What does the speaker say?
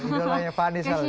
idolnya pani selalu